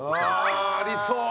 ありそう！